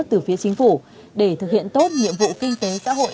từ phía chính phủ để thực hiện tốt nhiệm vụ kinh tế xã hội